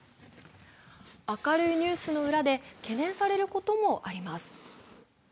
明るいニュースの裏で懸念されることもあります。